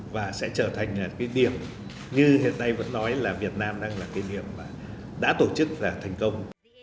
và sẽ trở thành cái điểm như hiện nay vẫn nói là việt nam đang là cái điểm mà đã tổ chức và thành công